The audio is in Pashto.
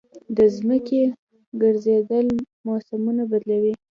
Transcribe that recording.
د ځمکې ګرځېدل موسمونه بدلوي.